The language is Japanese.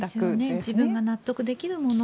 自分が納得できるもの。